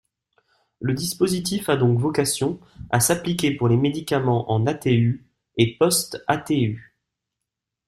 Le dispositif a donc vocation à s’appliquer pour les médicaments en ATU et post-ATU.